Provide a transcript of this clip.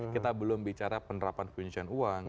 kita belum bicara penerapan pencucian uang